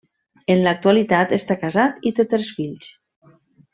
En l'actualitat, està casat i té tres fills.